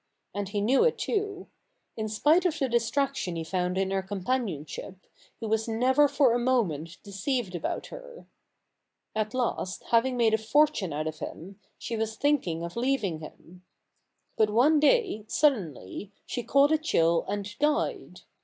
And he knew it too. In spite of the distraction he found in her companionship, he was never for a moment deceived about her. At last, having made a fortune out of him, she was thinking of leaving him. But one day, suddenly, she caught a chill and died.